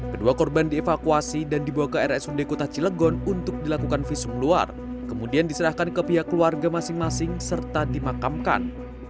kedua korban dievakuasi dan dibawa ke rsud kota cilegon untuk dilakukan visum luar kemudian diserahkan ke pihak keluarga masing masing serta dimakamkan